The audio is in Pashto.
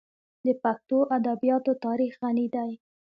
د پښتو ادبیاتو تاریخ غني دی.